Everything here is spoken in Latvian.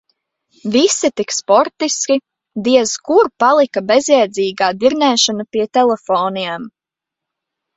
Visi tik sportiski, diez kur palika bezjēdzīgā dirnēšana pie telefoniem.